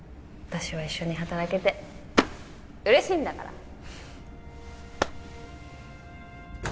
私は一緒に働けて嬉しいんだから！